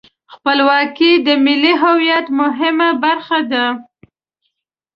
خپلواکي د ملي هویت مهمه برخه ده.